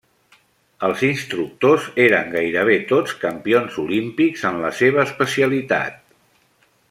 Els instructors eren gairebé tots campions olímpics en la seva especialitat.